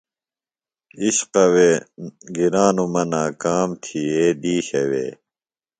عشقوے گرانوۡ مہ ناکام تھیئے دیشہ وے۔